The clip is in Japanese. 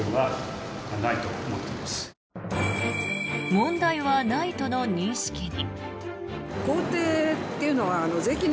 問題はないとの認識に。